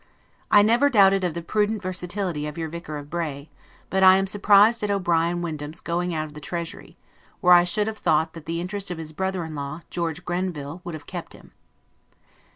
I never doubted of the prudent versatility of your Vicar of Bray: But I am surprised at O'Brien Windham's going out of the Treasury, where I should have thought that the interest of his brother in law, George Grenville, would have kept him.